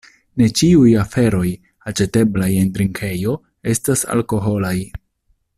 Ne ĉiuj aferoj aĉeteblaj en drinkejo estas alkoholaj: